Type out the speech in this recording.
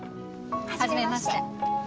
はじめまして。